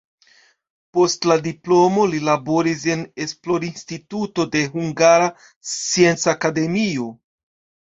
Post la diplomo li laboris en esplorinstituto de Hungara Scienca Akademio.